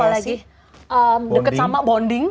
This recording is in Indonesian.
apalagi deket sama bonding